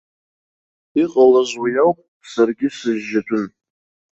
Иҟалаз уи ауп, саргьы сыжьжьатәын.